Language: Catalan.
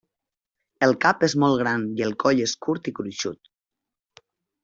El cap és molt gran i el coll és curt i gruixut.